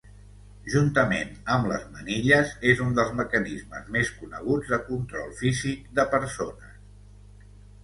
Juntament amb les manilles és un dels mecanismes més coneguts de control físic de persones.